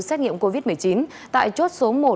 xét nghiệm covid một mươi chín tại chốt số một